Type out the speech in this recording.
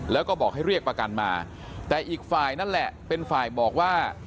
แล้วก็บอกให้เรียกประกันมาแต่อีกฝ่ายนั่นแหละเป็นฝ่ายบอกว่า